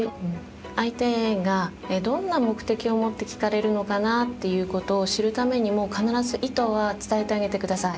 相手がどんな目的を持って聞かれるのかなっていうことを知るためにも必ず意図は伝えてあげてください。